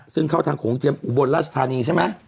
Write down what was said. ซึ่งเข้าทางโขงเจียมอุบลราชธานีใช่ไหม